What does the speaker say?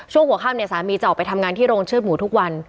หัวข้ามเนี่ยสามีจะออกไปทำงานที่โรงเชิดหมูทุกวัน